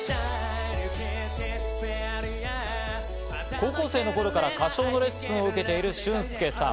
高校生の頃から歌唱のレッスンを受けているシュンスケさん。